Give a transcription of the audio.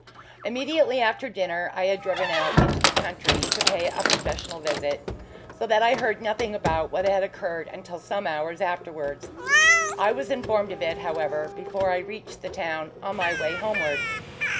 Immediately after dinner I had driven out into the country to pay a professional visit, so that I heard nothing about what had occurred until some hours afterwards. I was informed of it, however, before I reached the town, on my way homeward.